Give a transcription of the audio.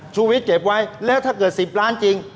ชูวิทย์เก็บไว้แล้วถ้าเกิด๑๐ล้านจริง